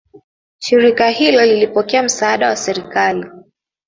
Shirika hilo lilipokea msaada wa serikali